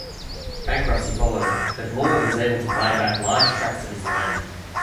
Bankruptcy followed, but Moore was able to buy back large tracts of his land.